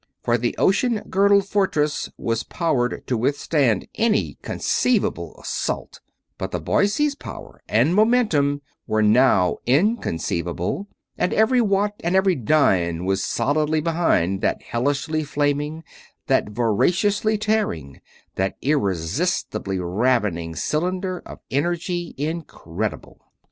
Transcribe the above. For that ocean girdled fortress was powered to withstand any conceivable assault but the Boise's power and momentum were now inconceivable; and every watt and every dyne was solidly behind that hellishly flaming, that voraciously tearing, that irresistibly ravening cylinder of energy incredible!